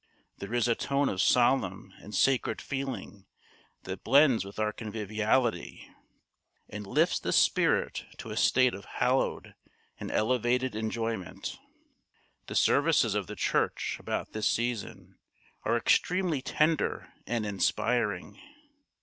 There is a tone of solemn and sacred feeling that blends with our conviviality, and lifts the spirit to a state of hallowed and elevated enjoyment. The services of the church about this season are extremely tender and inspiring.